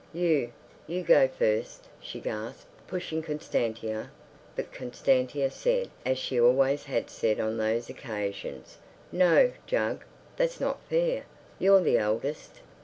"You—you go first," she gasped, pushing Constantia. But Constantia said, as she always had said on those occasions, "No, Jug, that's not fair. You're the eldest."